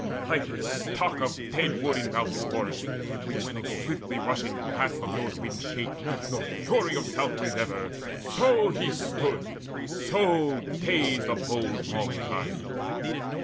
Like a stock Of dead wood in a mountain forest, which No swiftly rushing blasts of north winds shake, Nor fury of south winds ever, so he stood, So dazed abode long time.